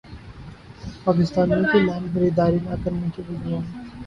پاکستانیوں کی لائن خریداری نہ کرنے کی وجوہات